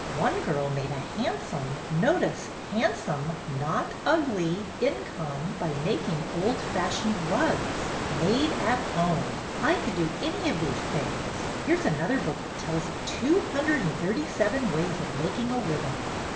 One girl made a handsome — notice, handsome, not ugly — income by making old fashioned rugs. Made at Home ! I could do any of these things. Here 's another book that tells of two hundred and thirty seven ways of making a living."